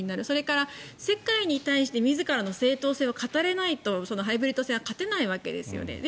それから世界に対して自らの正当性を語れないとハイブリッド戦は勝てないわけですよね。